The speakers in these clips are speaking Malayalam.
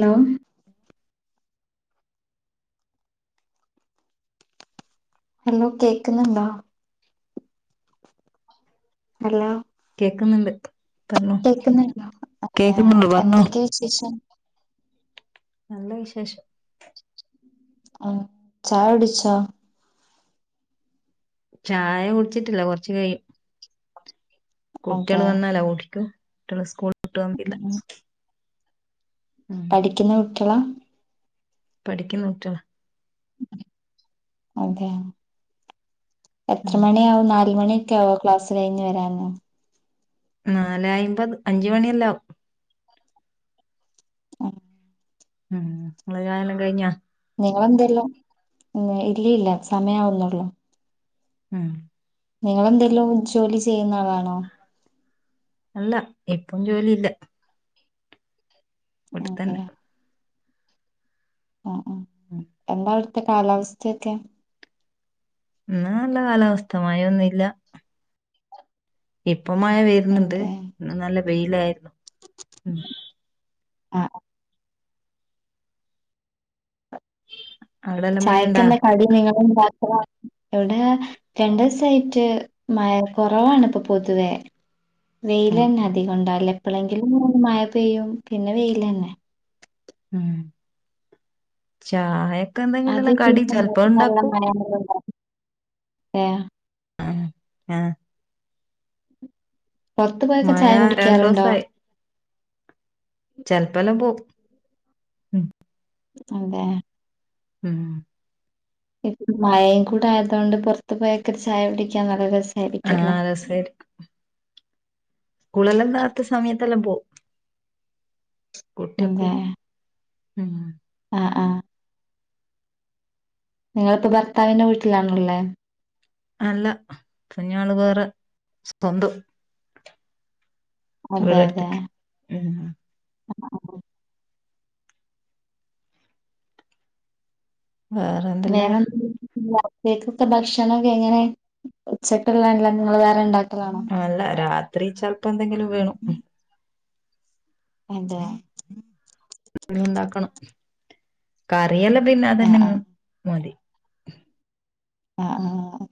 ഹലോ ഹലോ കേക്കുന്നുണ്ടാ ഹലോ കേക്കുന്നുണ്ട് പറഞ്ഞോ കേക്കുന്നുണ്ടോ അതെയ കേക്കുന്നുണ്ട് പറഞ്ഞോ എന്തൊക്കെയെ വിശേഷം നല്ല വിശേഷം ആ ചായ കുടിച്ചോ ചായ കുടിച്ചിട്ടില്ല കൊറച്ച് കഴിയും കുട്ടികൾ അതെ വന്നാല ഓട്ടിക്കും കുട്ടികള് സ്കൂളി വിട്ട് വന്നില്ല ഉം ഉം പഠിക്കുന്ന കുട്ടി കളാ പഠിക്കുന്ന കുട്ടികളാ അതെ എത്ര ഉം മണിയാവും നാല് മണി ലേറ്റ് ആവോ ക്ലാസ് കഴിഞ്ഞ് വരാന് നാലയ്മ്പത് അഞ്ച്മണിയല്ലാവും [inaudible] ഉം നിങ്ങള ചായെല്ലാം കഴിഞ്ഞ [unintelligible] ഇല്ലല്ല സമയവുന്നുള്ളു ഉം നിങ്ങളെന്തെലും ജോലി ചെയ്യുന്ന ആളാണോ അല്ല ഇപ്പം ജോലിയില്ല അതെ ഇവിടത്തന്നെ ആ ഉ എന്താ ഇ കാലാവസ്ഥയൊക്കെ ഉ നല്ല കാലാവസ്ഥ മഴ ഒൊന്നല്ല എപ്പ് അപ്പമായ വരുന്നുണ്ട് അതെ നല്ല വെയിലായിരുന്നു ഉ ആഹ ഉ ചായക്കുന്ന കടി നിങ്ങ എവിടെ രണ്ട ദിവസായിട്ട് മഴ കുറവാാണ് ഇപ്പൊ പൊതുവേ ഉം വെയിലൻ ഉം നദി കൊൊണ്ടാല ഇപ്പോളെങ്കിലും മഴമായ പെയ്യും പിന്നെ വെയിലന്നെ ഉ ചാ കണ്ടു കഴിഞ്ഞെല്ലാം കടി ചിലപ്പോ ഉണ്ടാക്കും. ആ ആ പുറത്തുപോയെക്കെ മഴ ചായ കുടിക്കാറുണ്ടോ? ചെലപലെല്ലാം പോവും. അതെ ഉം ഇ മഴയും കൂടെ ആയതുകൊണ്ട് പുറത്ത് പോയൊക്കെ ചായ കുടിക്കാൻ നല്ല രസ ആഹ് [unintelligible] കുളിലെന്താത്ത സമയത്തെല്ലാം പോവും. കുട്ടിയോക്ക് അതെ ഉം ആ ഹാ നിങ്ങളിപ്പോ ഭർത്താവിന്റെ വീട്ടിലാണല്ലേ? അല്ല കുഞ്ഞള് വേറെ സ്വന്തം അതെ അതെ വേരെടുത്തേക്ക്. ഉം. വേറെന്തല്ലാ? ത്തേക്ക് ഭക്ഷണമൊക്കെ എങ്ങനെ ഉച്ചയ്ക്കുള്ളല്ല നിങ്ങൾ വേറെണ്ടാക്ക അല്ല രാ ത്രിച്ച ഇപ്പൊ എന്തെങ്കിലും വേണോ? അതെ ഉണ്ടാക്കണം. ക [unintelligible] പിന്നെ ആഹ് അതന്നെങ്ങ് ആഹ് മോന്തി. ആ ആ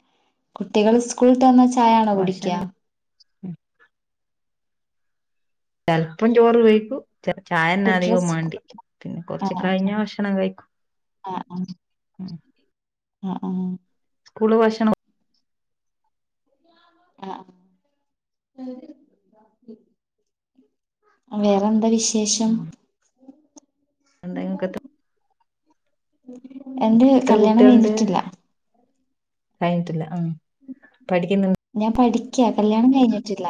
കുട്ടികൾ സ്കൂളിത ചായയാണോ കുടിക്ക? ഭക്ഷണം ചെലപ്പം ചോറ് വെയ്ക്കും. ചായന്നെ കുട്ടി അധികവും ഡ്രസ് വേണ്ടി പിന്നെ ആ കൊറച്ച് കഴിഞ്ഞ ഭക്ഷണം കഴിക്കും. ആ ആ ആ സ്കൂള് ഭക്ഷണം ആഹാ വേറെ എന്താ വിശ വിശേഷം? എന്തായും കെ എന്ത് കല്യാണം കുട്ടികളുണ്ട് കഴിഞ്ഞിട്ടില്ല കഴിഞ്ഞിട്ടില്ല ഉ ഞാൻ പഠി കല്യാണം കഴിഞ്ഞിട്ടില്ല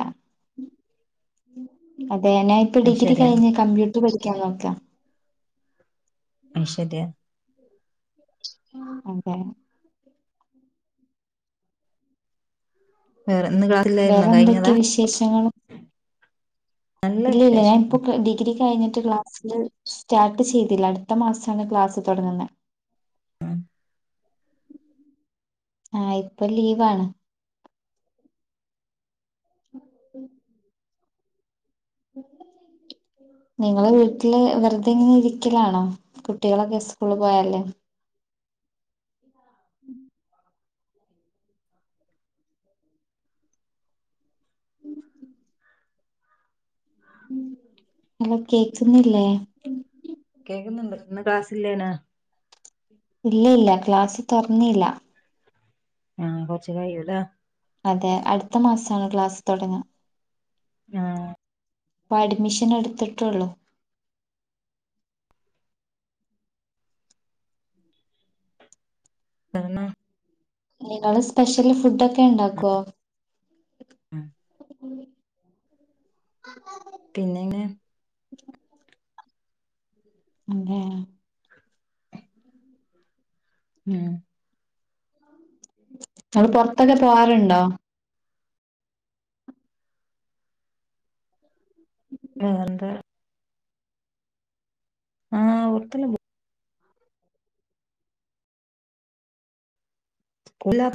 അതെഞാൻപ്പപ്പോ ഡിഗ്ര ഐശ്വര്യ കഴിഞ് കമ്പ്യൂട്ടർ പ ഓക്ക നോക്കാം ഐശ്വര്യ അതെ വേറെ ഇന്ന് ക്ലാസ്സില്ലായിരുന്നോ കഴിഞ്ഞതാ വേറെന്തൊക്കെ വിശേഷങ്ങളും നല്ല ഇല്ല ഇല്ല വിശേഷം ഞാനിപ്പൊ ഉം, ഡിഗ്രി കഴിഞ്ഞിട്ട് ക്ലാസ്ൽ സ്റ്റാർട്ട് ചെയ്തില്ല അടുത്ത മാസമാണ് ക്ലാസ്സ് തുടങ്ങുന്നത് ഉം. ആഹ ഇപ്പൊ ലീവാണ് നിങ്ങള് വീട്ടില് വെറുതെ ഇങ്ങനെ ഇരിക്കലാണോ കുട്ടികളൊക്കെ സ്കൂള പോയാലേ അല്ല കേക്ക്സ ഒന്നുംല്ലേ ഇ ക്ലാസ്ില്ലേന ഇല്ല ഇല്ല ക്ലാസ് തുറന്നല്ല ആഹ കൊറച്ച കഴൂല്ല അതെ അടുത്ത മാസമാണ് ക്ലാസ്സ് തുടങ്ങ ആഹ അപ്പൊ അഡ്മിഷൻ എടുത്തിട്ടുള്ളു കാരണ നിങ്ങള് സ്പെഷ്യൽ ഫുഡ ഒക്കെ ഉണ്ടാക്കുവോ ഉഹ ഉം പിന്നെങ്ങെ ഉ അതെ ഉം നമ്മള് പുൊറത്തൊക്കെ പോവാറുണ്ടോ മ എന്ത ആഹ് ഒർത്തല പോ ല്ല